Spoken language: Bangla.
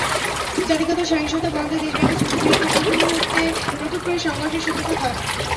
জাতিগত সহিংসতা বন্ধে দেশব্যাপী যুদ্ধবিরতির পূর্ব মুহূর্তে নতুন করে সংঘর্ষের সূত্রপাত হয়।